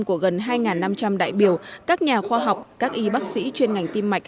của gần hai năm trăm linh đại biểu các nhà khoa học các y bác sĩ chuyên ngành tim mạch